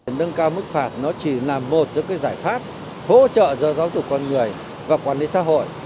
nâng cao mức phạt nó chỉ là một giải pháp hỗ trợ do giáo dục con người và quản lý xã hội